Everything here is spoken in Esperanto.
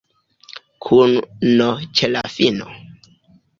Kun n ĉe la fino?